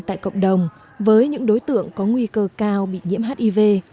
tại cộng đồng với những đối tượng có nguy cơ cao bị nhiễm hiv